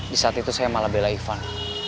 di saat itu saya malah belai van